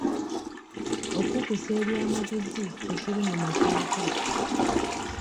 Okukusa ebyamaguzi tekiri mu mateeka.